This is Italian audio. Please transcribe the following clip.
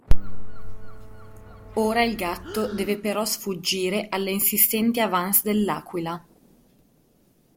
Ora il gatto deve però sfuggire alle insistenti avances dell'aquila.